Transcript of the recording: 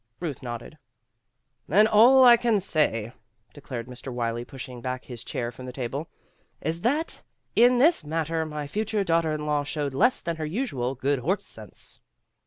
Ruth nodded. "Then all I can say," declared Mr. Wylie, pushing back his chair from the table, "is that in this matter my future daughter in law showed less than her usual good horse sense."